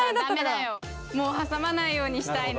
もう挟まないようにしたいね。